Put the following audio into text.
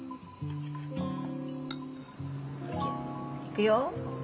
いくよ。